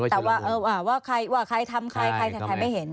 แต่ว่าว่าใครทำใครใครไม่เห็น